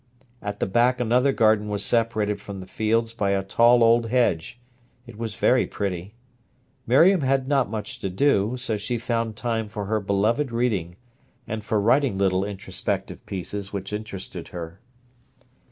At the back another garden was separated from the fields by a tall old hedge. It was very pretty. Miriam had not much to do, so she found time for her beloved reading, and for writing little introspective pieces which interested her.